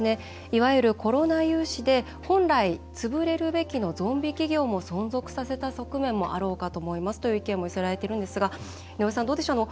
「いわゆるコロナ融資で本来、潰れるべきのゾンビ企業も存続させた側面もあろうかと思います」という意見も寄せられているんですが井上さん、どうでしょう。